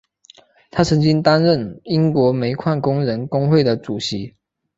他曾经担任英国煤矿工人工会的主席。